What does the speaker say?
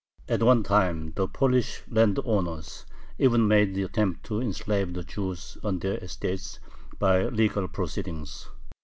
At one time the Polish landowners even made the attempt to enslave the Jews on their estates by legal proceedings.